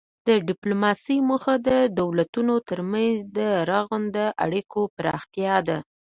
د ډیپلوماسي موخه د دولتونو ترمنځ د رغنده اړیکو پراختیا ده